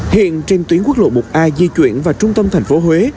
hiện trên tuyến quốc lộ một a di chuyển vào trung tâm thành phố huế